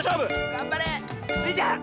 がんばれ！スイちゃん！